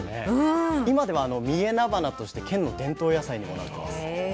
今では「三重なばな」として県の伝統野菜にもなってます。